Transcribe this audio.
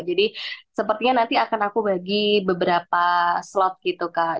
jadi sepertinya nanti akan aku bagi beberapa slot gitu kak